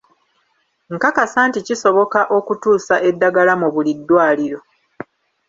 Nkakasa nti kisoboka okutuusa eddagala mu buli ddwaliro.